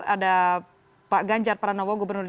ada pak ganjar pranowo